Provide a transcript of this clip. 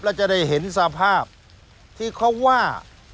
แล้วจะได้เห็นสภาพที่เขาว่า